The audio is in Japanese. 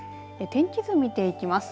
天気図、見ていきます。